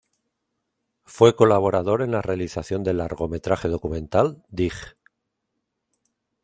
Fue colaborador en la realización del largometraje documental "Dig!